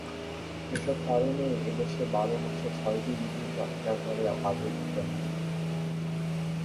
এসব কারণেই এদেশে বারো মাসে ছয়টি ঋতু চক্রাকারে আবর্তিত হয়।